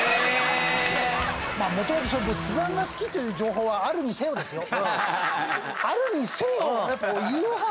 まあ元々つぶあんが好きという情報はあるにせよですよ